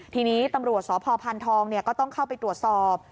ทีนี้ตำรวจสพพานทองก็ต้องเข้าไปตรวจสอบ